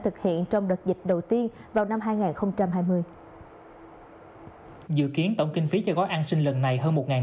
thực hiện trong đợt dịch đầu tiên vào năm hai nghìn hai dự kiến tổng kinh phí cho gói an sinh lần này hơn